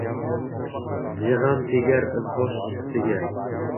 Jig‘am tegar izvosh shiftiga